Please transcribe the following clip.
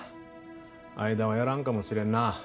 相田はやらんかもしれんな。